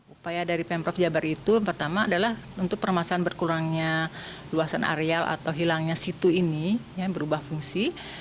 upaya dari pemprov jabar itu pertama adalah untuk permasalahan berkurangnya luasan areal atau hilangnya situ ini yang berubah fungsi